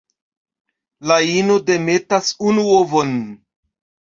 La ino demetas unu ovon.